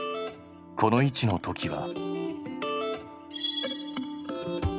この位置の時は。